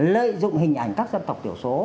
lợi dụng hình ảnh các dân tộc thiểu số